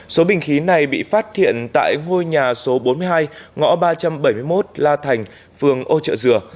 số bình khí này bị phát hiện tại ngôi nhà số bốn mươi hai ngõ ba trăm bảy mươi một la thành phường ô trợ dừa